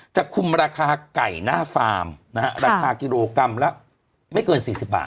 จะคุมราคาไก่หน้าฟาร์มนะฮะราคากิโลกรัมละไม่เกิน๔๐บาท